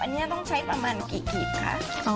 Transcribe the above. อันนี้ต้องใช้ประมาณกี่กีบคะ